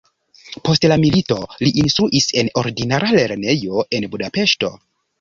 Post la milito li instruis en ordinara lernejo en Budapeŝto.